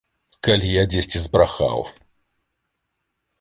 Калі я дзесьці збрахаў.